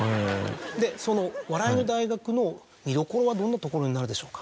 その『笑の大学』の見どころはどんなところになるでしょうか？